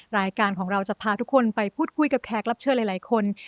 รายการของเราจะพาทุกคนไปพูดคุยกับแขกรับเชิญหลายคน